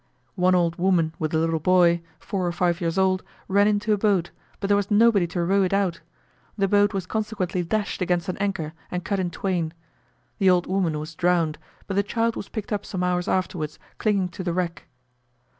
One old woman with a little boy, four or five years old, ran into a boat, but there was nobody to row it out: the boat was consequently dashed against an anchor and cut in twain; the old woman was drowned, but the child was picked up some hours afterwards clinging to the wreck.